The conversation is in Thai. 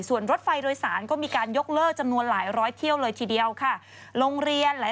ส่วนรถไฟโดยสารก็มีการยกเลิกจำนวนหลายร้อยเที่ยวเลยทีเดียวครับ